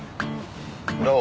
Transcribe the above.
どう？